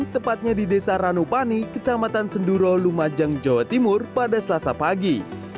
tepatnya di desa ranupani kecamatan senduro lumajang jawa timur pada selasa pagi